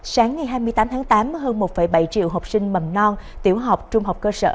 sáng ngày hai mươi tám tháng tám hơn một bảy triệu học sinh mầm non tiểu học trung học cơ sở